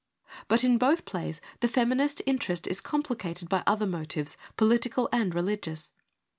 But in both plays the feminist interest is compli cated by other motives, political and religious.